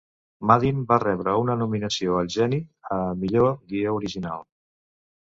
Maddin va rebre una nominació al Genie a millor guió original.